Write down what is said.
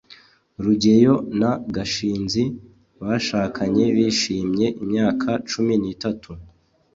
rugeyo na gashinzi bashakanye bishimye imyaka cumi n'itatu